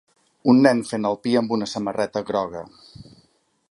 Un nen fent el pi amb una samarreta groga